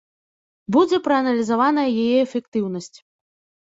Будзе прааналізаваная яе эфектыўнасць.